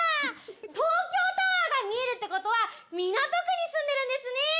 東京タワーが見えるってことは港区に住んでるんですね。